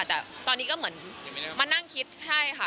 แต่ตอนนี้ก็เหมือนมานั่งคิดให้ค่ะ